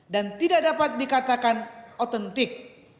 dan tidak dapat dikatakan otentik